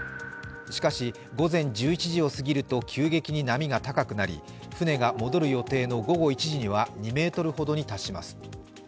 しかし午前１１時を過ぎると急激に波が高くなり、船が戻る予定の午後１時には２ｍほどに達します。